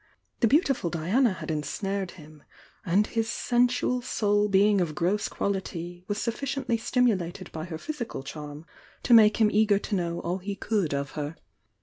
The beautiful Diana had ensnared him,— and his sensual soul being of gross quality, was sufficiently stimulated by her physical charm to make him eager to know all he oould of her.